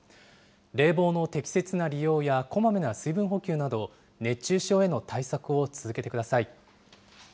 冷房の適切な利用やこまめな水分補給など、熱中症への対策を続けてください。